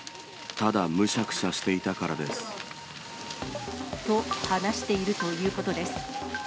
ただむしゃくしゃしていたからです。と話しているということです。